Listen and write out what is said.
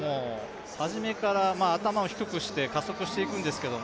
初めから頭を低くして加速していくんですけど